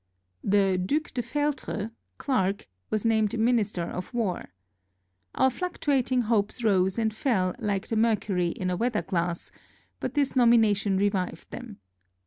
The Due de Feltre (Clarke) was named minister of war. Our fluctuating hopes rose and fell Hke the mer cury in a weather glass, but this nomination revived them.